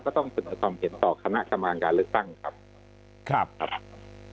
ก็ต้องสนับส่องเห็นต่อคณะกำลังการเลือกตั้งครับครับครับครับ